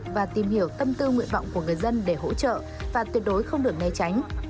và tìm hiểu tâm tư nguyện vọng của người dân để hỗ trợ và tuyệt đối không được né tránh